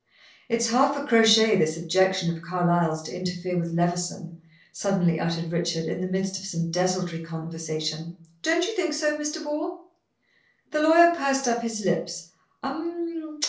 "It's half a crochet, this objection of Carlyle's to interfere with Levison," suddenly uttered Richard, in the midst of some desultory conversation. "Don't you think so, Mr. Ball?" The lawyer pursed up his lips. "Um!